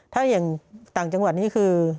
ถ้าอย่างต่างจังหวัดนี่คือ